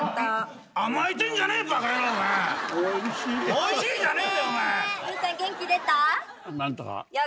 「おいしい」じゃねえよ。